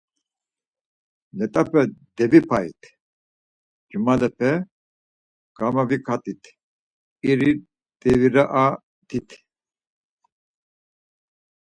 Let̆ape devipait, cumalepe gamaviǩat̆it, iri deviraat̆it.